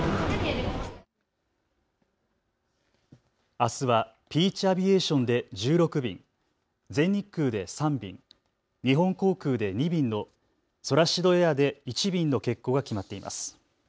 あすはピーチ・アビエーションで１６便、全日空で３便、日本航空で２便のソラシドエアで１便の欠航が決まっています。